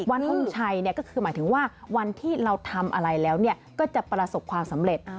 ทงชัยก็คือหมายถึงว่าวันที่เราทำอะไรแล้วก็จะประสบความสำเร็จ